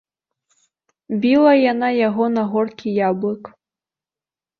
Біла яна яго на горкі яблык.